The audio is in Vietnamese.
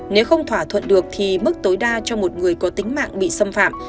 nếu không thỏa thuận được thì mức tối đa cho một người có tính mạng bị xâm phạm